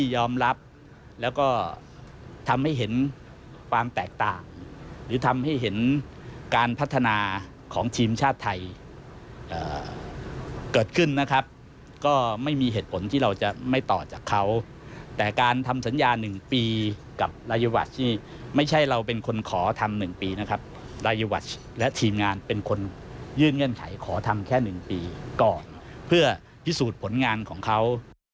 ยอมรับแล้วก็ทำให้เห็นความแตกต่างหรือทำให้เห็นการพัฒนาของทีมชาติไทยเกิดขึ้นนะครับก็ไม่มีเหตุผลที่เราจะไม่ต่อจากเขาแต่การทำสัญญา๑ปีกับรายวัชนี่ไม่ใช่เราเป็นคนขอทำ๑ปีนะครับรายวัชและทีมงานเป็นคนยื่นเงื่อนไขขอทำแค่๑ปีก่อนเพื่อพิสูจน์ผลงานของเขา